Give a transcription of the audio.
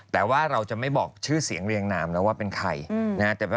แต่ว่าเราจะไม่บอกชื่อเสียงเรียงนามแล้วว่าเป็นใครนะฮะ